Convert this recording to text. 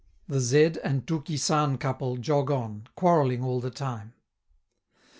The Z and Touki San couple jog on, quarrelling all the time.